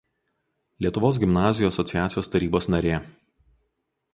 Lietuvos gimnazijų asociacijos tarybos narė.